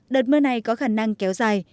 đợt mưa này có khả năng kéo dài